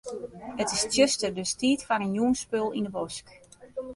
It is tsjuster, dus tiid foar in jûnsspul yn 'e bosk.